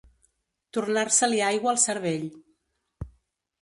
Tornar-se-li aigua el cervell.